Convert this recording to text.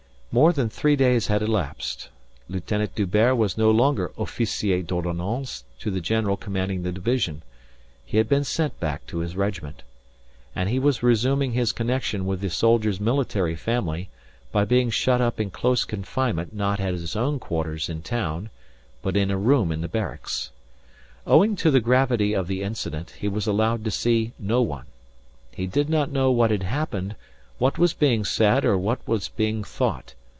More than three days had elapsed. Lieutenant D'Hubert was no longer officier d'ordonnance to the general commanding the division. He had been sent back to his regiment. And he was resuming his connection with the soldiers' military family, by being shut up in close confinement not at his own quarters in town, but in a room in the barracks. Owing to the gravity of the incident, he was allowed to see no one. He did not know what had happened, what was being said or what was being thought.